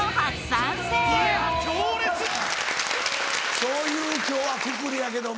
そういう今日はくくりやけども。